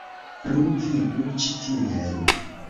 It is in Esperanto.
Plu vidu ĉi tien.